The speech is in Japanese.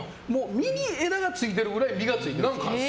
実に枝がついてるぐらい実がついていると。